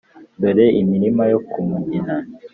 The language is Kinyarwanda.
dore imirima yo ku mugina.